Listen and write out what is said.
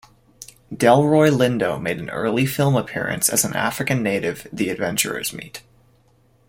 Delroy Lindo made an early film appearance as an African native the adventurers meet.